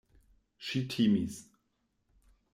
Ŝi timis.